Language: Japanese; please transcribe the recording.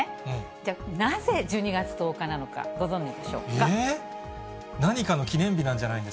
じゃあ、なぜ１２月１０日なのか、ご存じでしょうか。